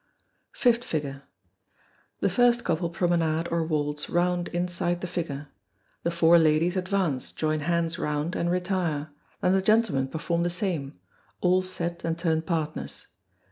Fifth Figure. The first couple promenade or waltz round inside the figure. The four ladies advance, join hands round, and retire then the gentlemen perform the same all set and turn partners.